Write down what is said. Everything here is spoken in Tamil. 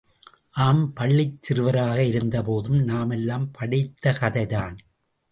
ஆம் பள்ளிச்சிறுவராக இருந்த போது நாமெல்லாம் படித்தக்கதைதான்.